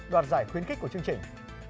đoạt giải khuyến khích của chương trình